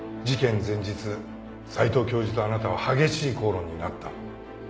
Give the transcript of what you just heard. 前日斎藤教授とあなたは激しい口論になった。